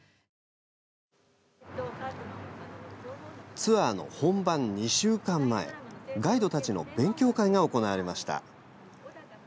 ツアーの本番２週間前ガイドたちの勉強会が行われました。